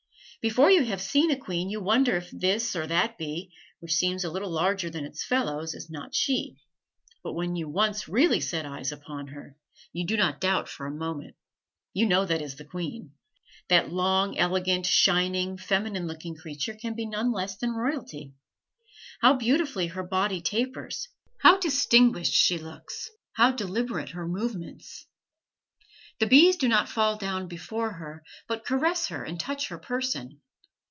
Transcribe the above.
Before you have seen a queen you wonder if this or that bee, which seems a little larger than its fellows, is not she, but when you once really set eyes upon her you do not doubt for a moment. You know that is the queen. That long, elegant, shining, feminine looking creature can be none less than royalty. How beautifully her body tapers, how distinguished she looks, how deliberate her movements! The bees do not fall down before her, but caress her and touch her person.